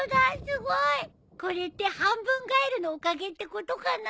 これって半分ガエルのおかげってことかな？